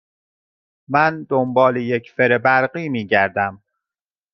من دنبال یک فر برقی می گردم.